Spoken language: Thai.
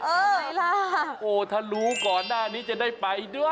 อะไรล่ะโอ๊ยถ้ารู้ก่อนหน้านี้จะได้ไปด้วย